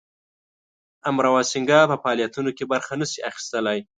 امراو سینګه په فعالیتونو کې برخه نه سي اخیستلای.